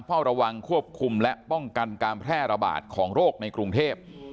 เฝ้าระวังควบคุมและป้องกันการแพร่ระบาดของโรคในกรุงเทพ